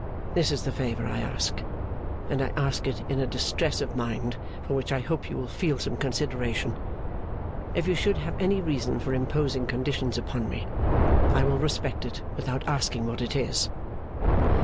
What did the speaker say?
This is the favour I ask, and I ask it in a distress of mind for which I hope you will feel some consideration. If you should have any reason for imposing conditions upon me, I will respect it without asking what it is.